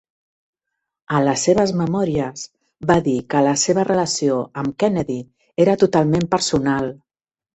En les seves memòries, va dir que la seva relació amb Kennedy era totalment personal.